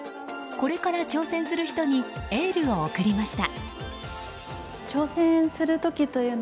これから挑戦する人にエールを送りました。